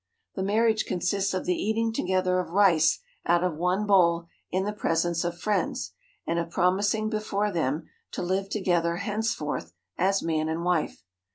The marriage consists of the eating together of rice out of one bowl in the presence of friends, and of promising before them to live together henceforth as man and wife.